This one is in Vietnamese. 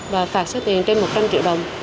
và phạt số tiền trên một trăm linh triệu đồng